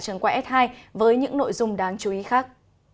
trần quang s hai với những nội dung đáng chú ý khác